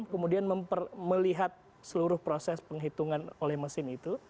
kemudian melihat seluruh proses penghitungan oleh mesin itu